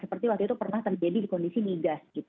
seperti waktu itu pernah terjadi di kondisi migas